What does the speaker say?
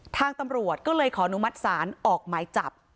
ทางตำรวจก็เลยขออนุมัติศาลออกหมายจับ